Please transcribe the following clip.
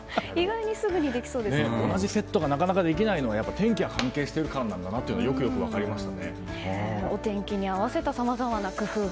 同じセットがなかなかできないのは天気が関係しているからなんだとよく分かりました。